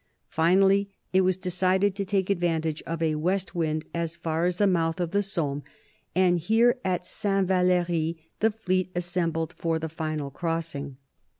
Finally it was decided to take advantage of a west wind as far as the mouth of the Somme, and here at Saint Val6ry the fleet assembled for the final crossing.